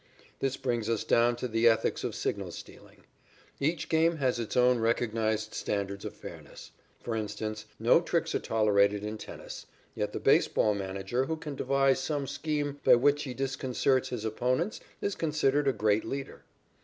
This brings us down to the ethics of signal stealing. Each game has its own recognized standards of fairness. For instance, no tricks are tolerated in tennis, yet the baseball manager who can devise some scheme by which he disconcerts his opponents is considered a great leader.